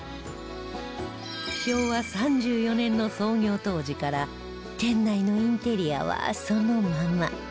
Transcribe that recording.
昭和３４年の創業当時から店内のインテリアはそのまま